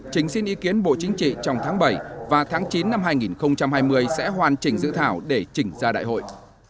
chính xin ý kiến bộ chính trị trong tháng bảy và tháng chín năm hai nghìn hai mươi sẽ hoàn chỉnh dự thảo để chỉnh ra đại hội